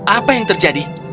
apa yang terjadi